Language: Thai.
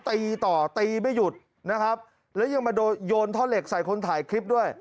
ตีต่อตีไม่หยุดนะครับแล้วยังมาโดนโยนท่อเหล็กใส่คนถ่ายคลิปด้วย